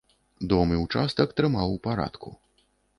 Дом і ўчастак трымаў у парадку.